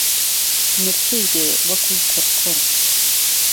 نرکەی دێ وهکوو کوڕکوڕ